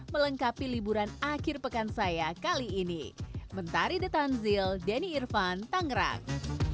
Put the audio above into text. melengkapi liburan akhir pekan saya kali ini mentari detan zil deni irvan tangerang